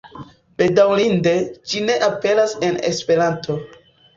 Bedaŭrinde, ĝi ne aperas en Esperanto.